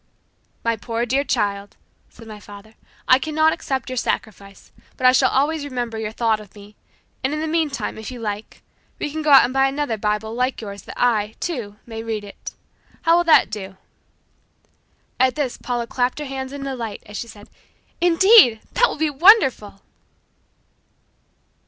"My poor dear child," said my father, "I cannot accept your sacrifice, but I shall always remember your thought of me; and in the meantime, if you like, we can go and buy another Bible like yours that I, too, may read it. How will that do?" At this Paula clapped her hands in delight, as she said, "Indeed, that will be wonderful!"